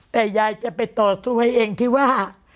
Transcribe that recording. แต่ยายจะไปต่อสู้ให้เองที่ว่า